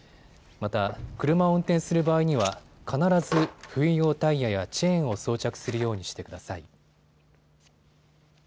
また、車を運転する場合には必ず冬用タイヤやチェーンを装着するようにしてください。